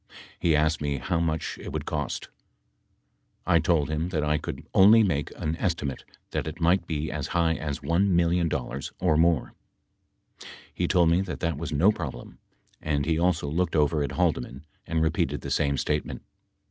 He asked me how much it would cost. I told him that I could only make an estimate that it might be as high as $1 million or more. He told me that that was no problem, and he also looked over at Haldeman and repeated the same statement.